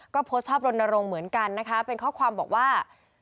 ก็โพสต์ภาพรณรงค์เหมือนกันนะคะเป็นข้อความบอกว่า